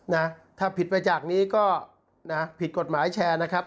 นะถ้าผิดไปจากนี้ก็นะผิดกฎหมายแชร์นะครับ